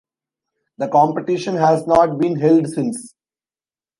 The competition has not been held since.